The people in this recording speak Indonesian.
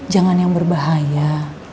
jangan yang berbahaya